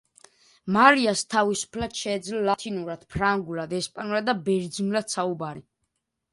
მარიას თავისუფლად შეეძლო ლათინურად, ფრანგულად, ესპანურად და ბერძნულად საუბარი.